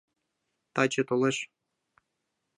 — Таче толеш...